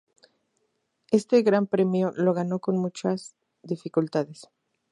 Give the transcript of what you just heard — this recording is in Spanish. Este gran premio lo ganó con muchas dificultades.